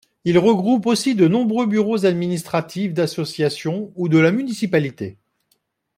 Il regroupe aussi de nombreux bureaux administratifs d'associations ou de la municipalité.